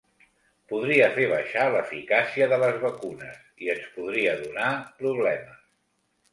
Podria fer baixar l’eficàcia de les vacunes i ens podria donar problemes.